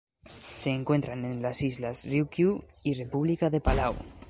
Se encuentran en las Islas Ryukyu y República de Palau.